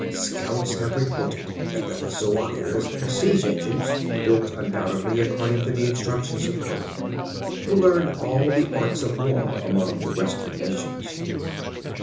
Scouts have reported that the Zuagirs have siege engines, built, undoubtedly, according to the instructions of Conan, who learned all the arts of war among the Western nations.